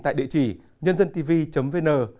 tại địa chỉ nhândântv vn